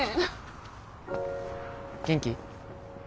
元気？